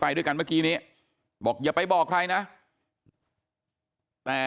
ไปด้วยกันเมื่อกี้นี้บอกอย่าไปบอกไขน่ะ